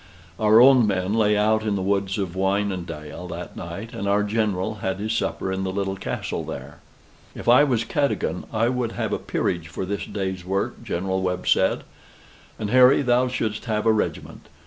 Our own men lay out in the woods of Wynendael that night, and our General had his supper in the little castle there. "If I was Cadogan, I would have a peerage for this day's work," General Webb said; "and, Harry, thou shouldst have a regiment.